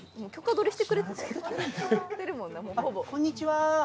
こんにちは。